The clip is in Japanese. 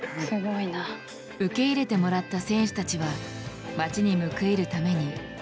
受け入れてもらった選手たちは町に報いるために動き始めた。